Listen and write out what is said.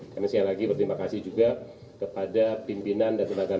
kami sekali lagi berterima kasih juga kepada pihak pihak yang telah menangani